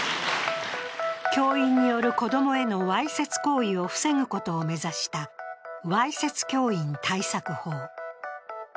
教員による子供へのわいせつ行為を防ぐことを目指した、わいせつ教員対策法。